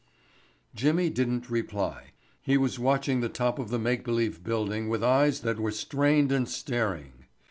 Jimmy didn't reply. He was watching the top of the make believe building with eyes that were strained and staring.